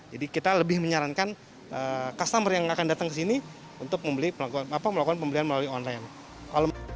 jadi kita lebih menyarankan customer yang akan datang ke sini untuk melakukan pembelian melalui online